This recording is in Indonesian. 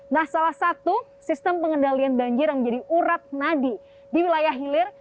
nah salah satu sistem pengendalian banjir yang menjadi urat nadi di wilayah hilir